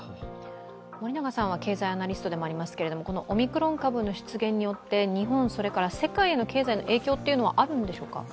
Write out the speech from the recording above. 森永さんは経済アナリストでもありますけれども、オミクロン株の出現によって日本、それから世界の経済への影響はあるんでしょうか。